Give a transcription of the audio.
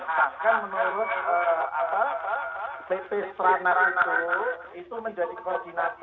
bahkan menurut bp strana itu itu menjadi koordinator dari strategi nasional dalam pencegahan korupsi